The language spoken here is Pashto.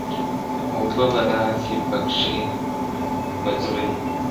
اوبه به را سي پکښي به ځغلي `